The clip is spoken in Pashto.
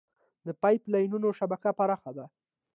د پایپ لاینونو شبکه پراخه ده.